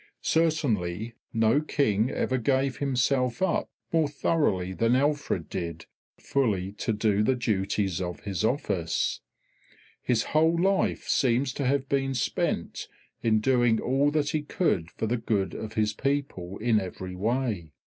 Certainly no King ever gave himself up more thoroughly than Alfred did fully to do the duties of his office. His whole life seems to have been spent in doing all that he could for the good of his people in every way.